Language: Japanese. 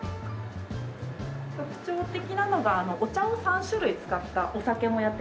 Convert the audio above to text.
特徴的なのがお茶を３種類使ったお酒もやってまして。